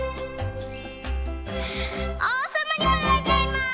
おうさまにもなれちゃいます！